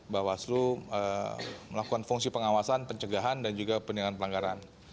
bawaslu melakukan fungsi pengawasan pencegahan dan juga penindakan pelanggaran